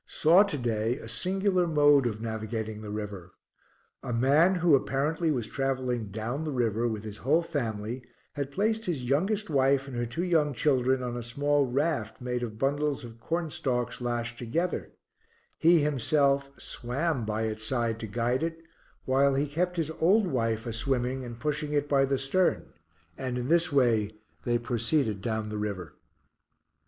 Saw to day a singular mode of navigating the river; a man, who apparently was traveling down the river with his whole family, had placed his youngest wife and her two young children on a small raft made of bundles of corn stalks lashed together, he himself swam by its side to guide it, while he kept his old wife a swimming and pushing it by the stern, and in this way they proceeded down the river.